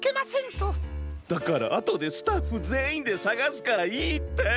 だからあとでスタッフぜんいんでさがすからいいって！